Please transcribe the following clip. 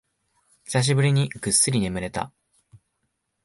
久しぶりにぐっすり眠れた